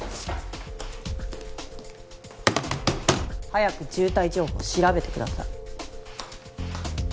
早く渋滞情報調べてください。